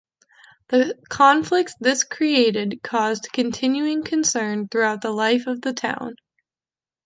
The conflicts this created caused continuing concern throughout the life of the town.